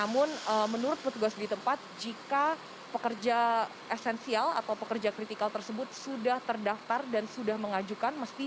namun menurut petugas di tempat jika pekerja esensial atau pekerja kritikal tersebut sudah terdaftar dan sudah mengajukan